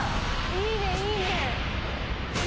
いいねいいね！